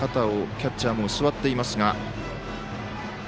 キャッチャーは座っていますが。